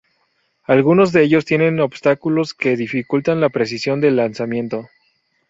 Algunos de ellos tienen obstáculos que dificultan la precisión del lanzamiento.